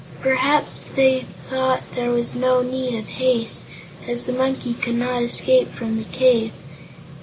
Perhaps they thought there was no need of haste, as the monkey could not escape from the cave.